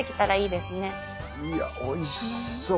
いやおいしそう。